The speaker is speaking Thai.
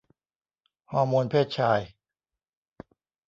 ฮอร์โมนเพศชาย